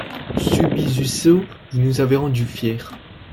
Sibusiso, vous nous avez rendu fiers!